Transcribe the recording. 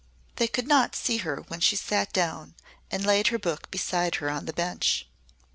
They could not see her when she sat down and laid her book beside her on the bench.